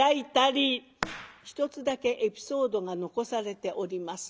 一つだけエピソードが残されております。